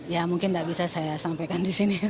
ya mungkin tidak bisa saya sampaikan di sini